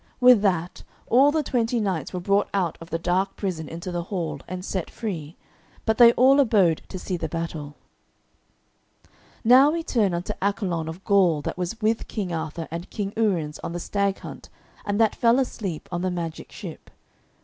With that all the twenty knights were brought out of the dark prison into the hall, and set free, but they all abode to see the battle. Now turn we unto Accolon of Gaul, that was with King Arthur and King Uriens on the stag hunt and that fell asleep on the magic ship.